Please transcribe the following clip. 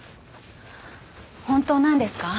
本当なんですか？